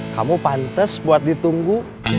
kamu pantes buat ditunggu